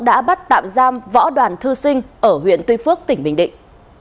đã bắt tạm giam võ đoàn thư sinh ở huyện tuy phước tỉnh bình định